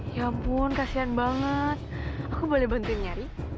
ya ampun kasian banget aku boleh bantuin nyari